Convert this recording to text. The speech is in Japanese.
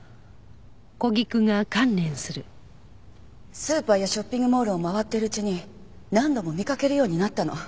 スーパーやショッピングモールを回っているうちに何度も見かけるようになったの。